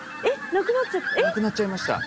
なくなっちゃいました。